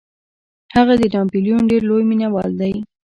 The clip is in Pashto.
هغه د ناپلیون ډیر لوی مینوال دی.